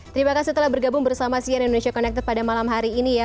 terima kasih telah bergabung bersama sian indonesia connected pada malam hari ini ya